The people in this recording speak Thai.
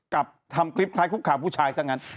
กลับทำคลิปคล้ายคุกคามผู้ชายซะงั้น